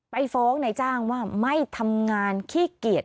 ไปฟ้องในจ้างว่าไม่ทำงานขี้เกียจ